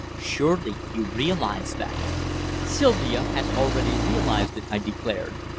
Surely you realize that?" "Sylvia has already realized it," I declared.